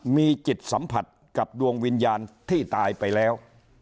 มีจิตสัมผัสกับดวงวิญญาณที่ตายไปแล้ว